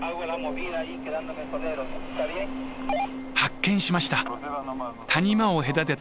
発見しました。